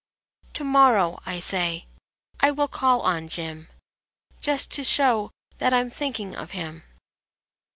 "To morrow," I say, "I will call on Jim., Just to show that I m thinking of him."